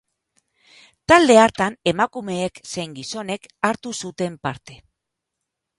Talde hartan emakumeek zein gizonek hartu zuten parte.